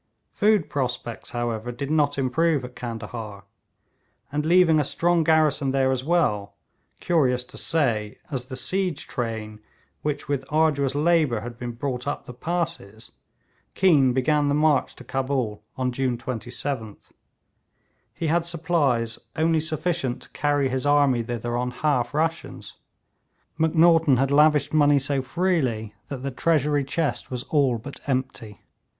Food prospects, however, did not improve at Candahar, and leaving a strong garrison there as well, curious to say, as the siege train which with arduous labour had been brought up the passes, Keane began the march to Cabul on June 27th. He had supplies only sufficient to carry his army thither on half rations. Macnaghten had lavished money so freely that the treasury chest was all but empty.